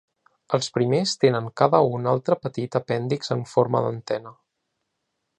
Els primers tenen cada un altre petit apèndix en forma d'antena.